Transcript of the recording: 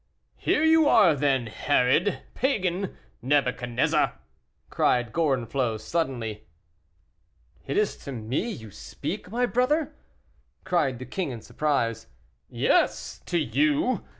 "Here you are, then, Herod! pagan! Nebuchadnezzar!" cried Gorenflot, suddenly. "Is it to me you speak, my brother?" cried the king, in surprise. "Yes, to you.